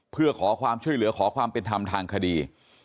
เพื่อขอความช่วยเหลือขอความเป็นธรรมทางคดี